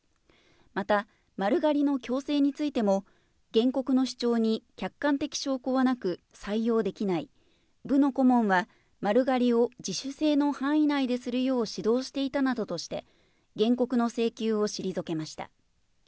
また、丸刈りの強制についても、原告の主張に客観的証拠はなく採用できない、部の顧問は、丸刈りを自主性の範囲内でするよう指導していたなどとして、原告の請求を退けました。